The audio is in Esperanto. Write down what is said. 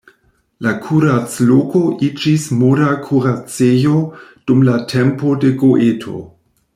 La kuracloko iĝis moda kuracejo dum la tempo de Goeto.